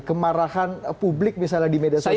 kemarahan publik misalnya di media sosial